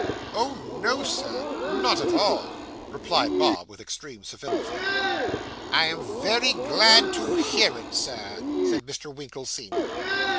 'Oh, no! sir, not at all,' replied Bob, with extreme civility. 'I am very glad to hear it, sir,' said Mr. Winkle, senior.